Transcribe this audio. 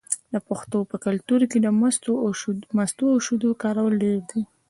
د پښتنو په کلتور کې د مستو او شیدو کارول ډیر دي.